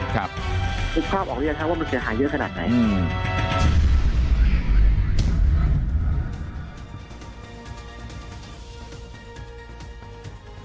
คุณภาพออกเรียนว่ามันจะหายเยอะขนาดไหน